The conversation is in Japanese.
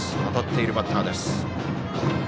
当たっているバッターです。